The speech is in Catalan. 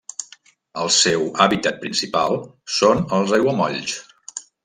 El seu hàbitat principal són els aiguamolls.